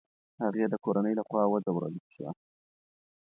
هغې د کورنۍ له خوا وځورول شوه.